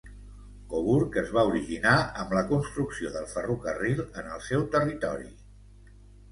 Coburg es va originar amb la construcció del ferrocarril en el seu territori.